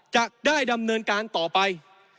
จะได้ดำเนินการต่อไป